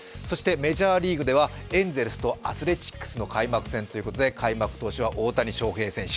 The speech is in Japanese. メジャーリーグではエンゼルスとアスレチックスの開幕戦ということで開幕投手は大谷翔平選手。